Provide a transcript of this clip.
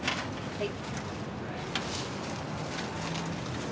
はい。